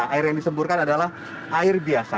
air yang disemburkan adalah air biasa